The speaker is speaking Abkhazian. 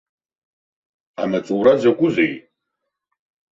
Амаҵура закәызеи?